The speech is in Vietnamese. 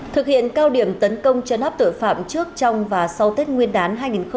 thực hiện cao điểm tấn công chấn áp tội phạm trước trong và sau tết nguyên đán hai nghìn hai mươi bốn